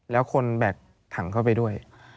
แล้วคนแบกถังเข้าไปด้วย